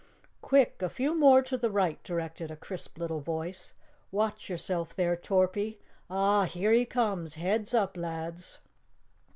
"Quick, a few more to the right," directed a crisp little voice. "Watch yourself there, Torpy. Ah, here he comes! Heads up, lads!"